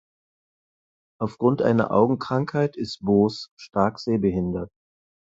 Aufgrund einer Augenkrankheit ist Boos stark sehbehindert.